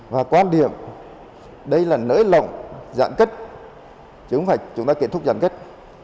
và quan điểm đây là nới lỏng giãn cách chứ không phải chúng ta kết thúc giãn cách